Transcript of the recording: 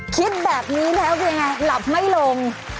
คิดแบบนี้แล้วยังไงหลับไม่ลง